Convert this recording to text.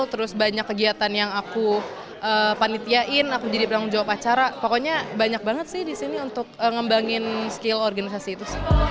terus banyak kegiatan yang aku panitiain aku jadi penanggung jawab acara pokoknya banyak banget sih di sini untuk ngembangin skill organisasi itu sih